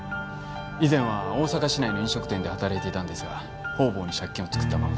以前は大阪市内の飲食店で働いていたんですが方々に借金を作ったままです。